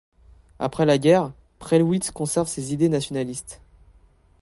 Après la guerre, Prellwitz conserve ses idées nationalistes.